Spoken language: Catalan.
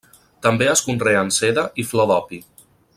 També es conreen seda i flor d'opi.